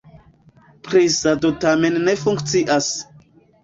Presado tamen ne funkcias.